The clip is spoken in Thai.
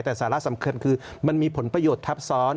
แต่สาระสำคัญคือมันมีผลประโยชน์ทับซ้อน